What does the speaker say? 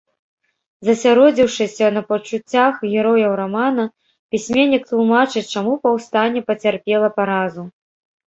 Засяродзіўшыся на пачуццях герояў рамана, пісьменнік тлумачыць, чаму паўстанне пацярпела паразу.